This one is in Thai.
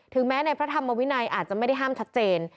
แม้ในพระธรรมวินัยอาจจะไม่ได้ห้ามชัดเจน